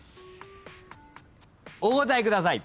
お答えください。